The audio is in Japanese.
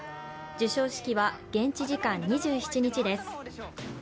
授賞式は現地時間２７日です。